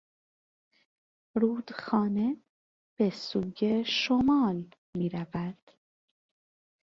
رودخانه به سوی شمال میرود.